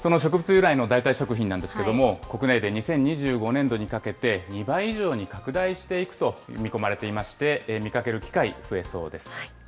由来の代替食品なんですけども、国内で２０２５年度にかけて２倍以上に拡大していくと見込まれていまして、見かける機会、増えそうです。